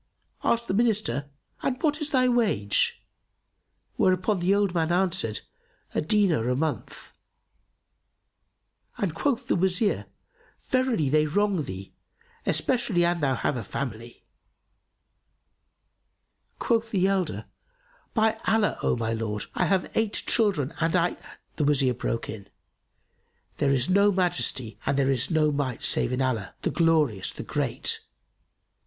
Asked the Minister, "And what is thy wage?" whereto the old man answered, "A dinar a month," and quoth the Wazir, "Verily they wrong thee, especially an thou have a family." Quoth the elder, "By Allah, O my lord, I have eight children and I"— The Wazir broke in, "There is no Majesty and there is no Might save in Allah, the Glorious, the Great!